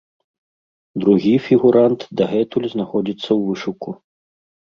Другі фігурант дагэтуль знаходзіцца ў вышуку.